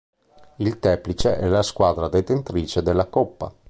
Il Teplice è la squadra detentrice della coppa.